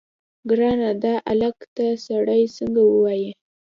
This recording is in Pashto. ګرانه دا الک ته سړی څنګه ووايي.